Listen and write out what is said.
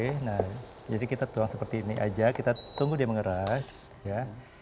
oke nah jadi kita tuang seperti ini aja kita tunggu dia mengeras ya